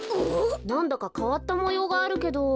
なんだかかわったもようがあるけど。